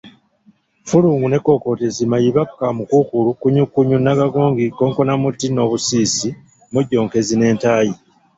"Ffulungu n’ekookootezi, Mayiba kamukuukulu, Kkunyukkunyu n’agagogi, Konkonamuti n’obusisi, Mijjonkezi n’entayi."